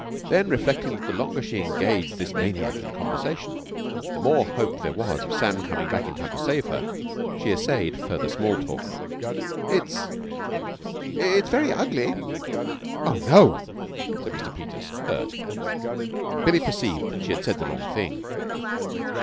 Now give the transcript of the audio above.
Then, reflecting that the longer she engaged this maniac in conversation, the more hope there was of Sam coming back in time to save her, she essayed further small talk. "It's it's very ugly!" "Oh, no!" said Mr. Peters, hurt. Billie perceived that she had said the wrong thing.